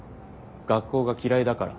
学校が嫌いだから。